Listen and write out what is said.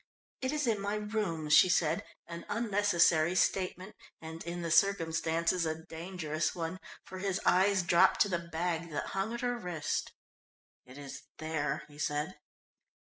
"It is in my room," she said, an unnecessary statement, and, in the circumstances, a dangerous one, for his eyes dropped to the bag that hung at her wrist. "It is there," he said.